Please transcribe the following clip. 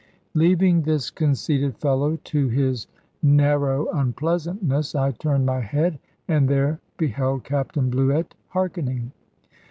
Leaving this conceited fellow to his narrow unpleasantness, I turned my head, and there beheld Captain Bluett harkening.